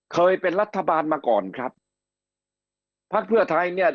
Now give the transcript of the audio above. เคยเป็นรัฐบาลมาก่อนครับพักเพื่อไทยเนี่ย